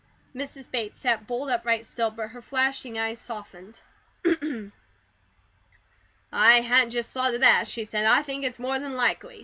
Mrs. Bates sat bolt upright still, but her flashing eyes softened. "I hadn't just thought of that," she said. "I think it's more than likely.